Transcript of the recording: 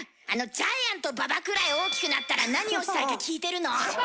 ジャイアント馬場くらい大きくなったら何をしたいか聞いてるの。